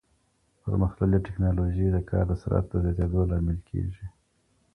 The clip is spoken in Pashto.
پرمختللې ټکنالوژي د کار د سرعت د زياتېدو لامل کېږي.